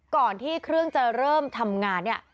ก่อนที่เครื่องจะเริ่มทำงานเนี่ย